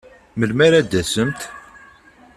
Melmi ara d-tasemt?